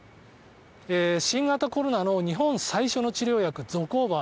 新型コロナの日本最初の治療薬ゾコーバ。